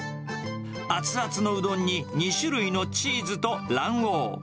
熱々のうどんに２種類のチーズと卵黄。